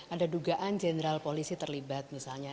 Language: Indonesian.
ada dugaan jenderal polisi terlibat misalnya